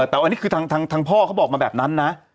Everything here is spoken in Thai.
แต่อันนี้คือทางพ่อเขาบอกมาแบบนั้นนะ